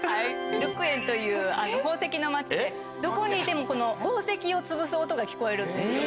ルックイェンという宝石の町ではどこにいても宝石をつぶす音が聞こえるんですよ。